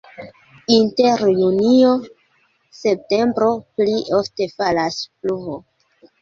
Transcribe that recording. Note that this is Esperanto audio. Inter junio-septembro pli ofte falas pluvo.